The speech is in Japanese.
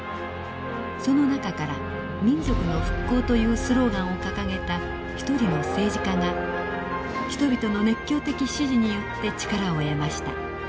その中から民族の復興というスローガンを掲げた一人の政治家が人々の熱狂的支持によって力を得ました。